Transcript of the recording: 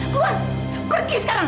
bu pergi sekarang